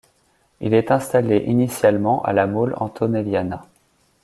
Il est installé initialement à la Mole Antonelliana.